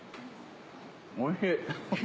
おいしい。